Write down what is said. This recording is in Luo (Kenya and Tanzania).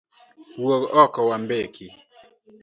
Wuog oko wambeki